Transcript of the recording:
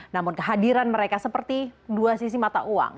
namun kehadiran mereka seperti dua sisi mata uang